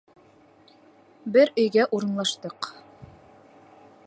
Бер өйгә урынлаштыҡ.